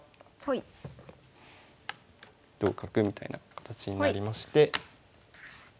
同角みたいな形になりまして。